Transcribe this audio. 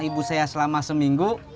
ibu saya selama seminggu